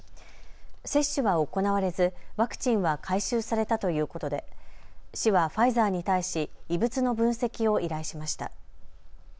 接種は行われずワクチンは回収されたということで市はファイザーに対し異物の分析を依頼しました。